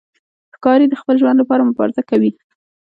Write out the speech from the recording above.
ښکاري د خپل ژوند لپاره مبارزه کوي.